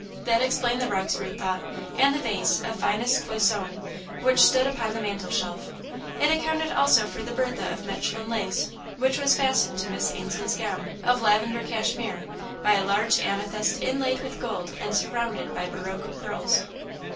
That explained the rugs, Ruth thought, and the vase, of finest Cloisonne, which stood upon the mantel shelf. It accounted also for the bertha of Mechlin lace, which was fastened to Miss Ainslie's gown, of lavender cashmere, by a large amethyst inlaid with gold and surrounded by baroque pearls.